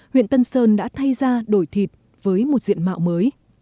huyện tân sơn đã thay ra đổi thịt với một diện mạo mới